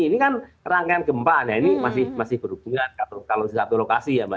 ini kan rangkaian gempa ini masih berhubungan kalau di satu lokasi ya mbak